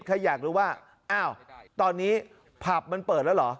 ใครอยากรู้ว่าอ้าวตอนนี้ผับมันเปิดแล้วเหรอ